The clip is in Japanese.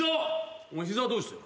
お前膝はどうしてる？